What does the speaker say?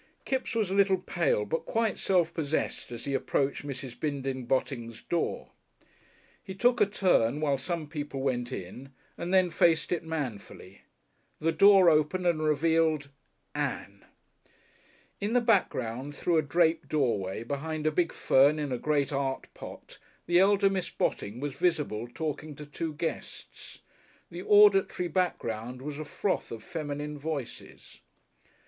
Kipps was a little pale, but quite self possessed, as he approached Mrs. Bindon Botting's door. He took a turn while some people went in and then faced it manfully. The door opened and revealed Ann! In the background through a draped doorway behind a big fern in a great art pot the elder Miss Botting was visible talking to two guests; the auditory background was a froth of feminine voices....